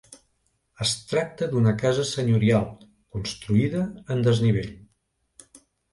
Es tracta d'una casa senyorial, construïda en desnivell.